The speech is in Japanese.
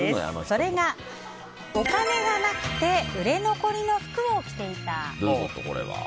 それが、お金がなくて売れ残りの服を着ていた。